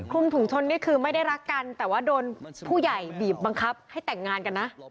กลุ่มถุงชนนี่คือไม่ได้รักกันแต่ว่าโดนผู้ใหญ่บีบบังคับให้แต่งงานกันนะ